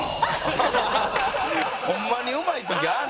ホンマにうまい時ああ